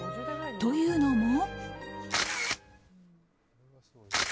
というのも。